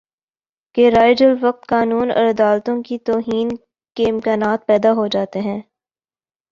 کہ رائج الوقت قانون اور عدالتوں کی توہین کے امکانات پیدا ہو جاتے ہیں